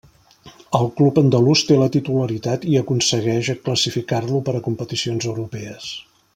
Al club andalús té la titularitat i aconsegueix classificar-lo per a competicions europees.